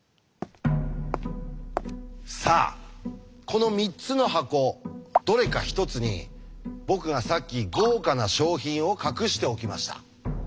さあこの３つの箱どれか１つに僕がさっき豪華な賞品を隠しておきました。